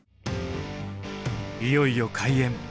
いよいよ開演。